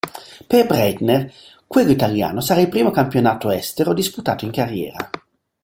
Per Breitner quello italiano sarà il primo campionato estero disputato in carriera.